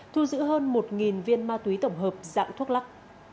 thu giữ hơn một viên ma túy tổng hợp dạng thuốc lắc